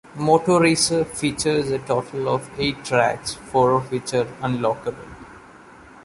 Moto Racer features a total of eight tracks, four of which are unlockable.